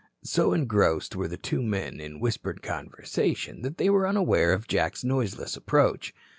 So engrossed were the two men in whispered conversation that they were unaware of Jack's noiseless approach.